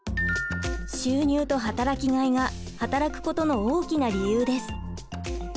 「収入」と「働きがい」が働くことの大きな理由です。